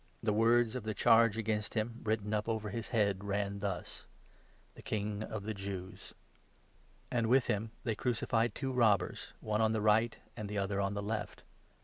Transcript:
The words of the 26 charge against him, written up over his head, ran thus — 'THE KING OF THE JEWS.' And with him they crucified two robbers, one on the right, 27 and the other on the left.